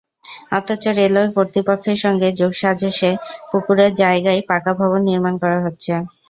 অথচ রেলওয়ে কর্তৃপক্ষের সঙ্গে যোগসাজশে পুকুরের জায়গায় পাকা ভবন নির্মাণ করা হচ্ছে।